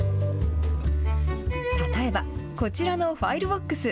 例えば、こちらのファイルボックス。